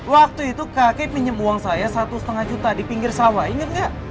waktu itu kakek pinjam uang saya satu lima juta di pinggir sawah ingat nggak